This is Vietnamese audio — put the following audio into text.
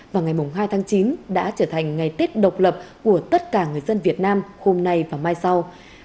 và ngày hai tháng chín đã trở thành ngày tết độc lập của tất cả người dân việt nam hôm nay và mai sau